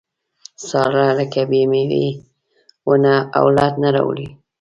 ساره لکه بې مېوې ونه اولاد نه راوړي.